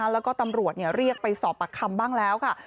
แล้วก็ตำรวจเรียกไปสอบปากคำบ้างแล้วค่ะ